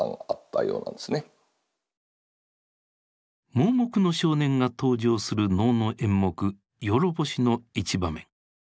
盲目の少年が登場する能の演目「弱法師」の一場面。